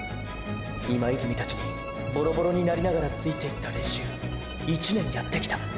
今泉たちにボロボロになりながらついていった練習１年やってきた。